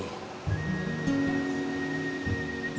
saya tidak bisa mencari penyelesaian